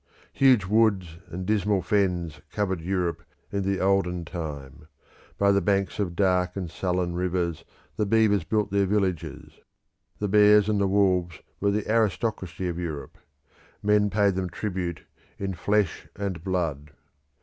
Huge woods and dismal fens covered Europe in the olden time; by the banks of dark and sullen rivers the beavers built their villages; the bears and the wolves were the aristocracy of Europe; men paid them tribute in flesh and blood.